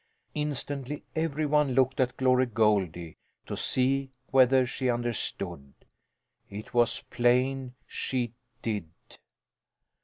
Instantly every one looked at Glory Goldie, to see whether she understood. It was plain she did.